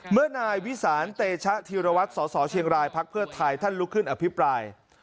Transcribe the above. เมื่อนายวิสานเตชะธีรวัตรสสเชียงรายพักเพื่อไทยท่านลุกขึ้นอภิปราย